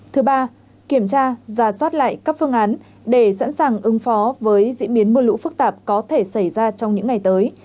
thứ ba kiểm tra giả soát lại các phương án để sẵn sàng ứng phó với diễn biến mưa lũ phức tạp có thể xảy ra trong những ngày tới